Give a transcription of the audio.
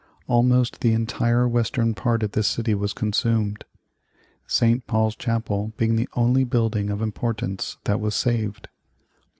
Almost the entire western part of the city was consumed, St. Paul's Chapel being the only building of importance that was saved.